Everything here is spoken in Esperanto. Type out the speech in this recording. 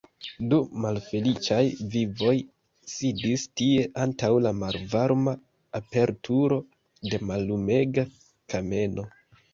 Du malfeliĉaj vivoj sidis tie antaŭ la malvarma aperturo de mallumega kameno.